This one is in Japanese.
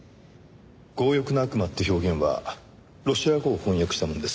「強欲な悪魔」って表現はロシア語を翻訳したものです。